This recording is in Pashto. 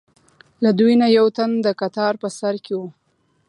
له دوی نه یو تن د کتار په سر کې و.